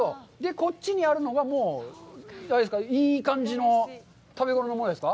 こっちにあるのがもういい感じの食べごろのものですか。